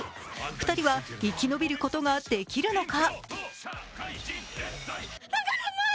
２人は生き延びることができるのか。